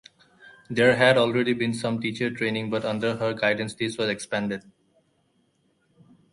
There had already been some teacher training but under her guidance this was expanded.